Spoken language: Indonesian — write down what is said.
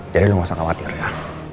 jadi lo gak usah khawatir ya